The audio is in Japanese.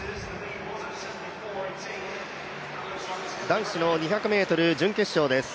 男子の２００ｍ準決勝です。